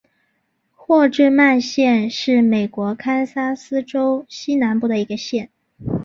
霍治曼县是美国堪萨斯州西南部的一个县。